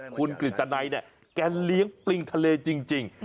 คุณกริตนัยเนี่ยแกเลี้ยงปริงทะเลจริง